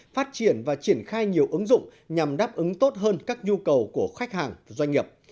phát triển và triển khai nhiều ứng dụng nhằm đáp ứng tốt hơn các nhu cầu của khách hàng doanh nghiệp